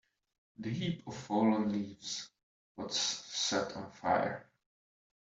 The heap of fallen leaves was set on fire.